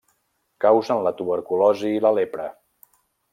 Causen la tuberculosi i la lepra.